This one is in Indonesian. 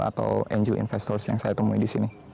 atau angel investor yang saya temui di sini